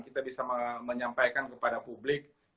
kita bisa menyampaikan kepada publik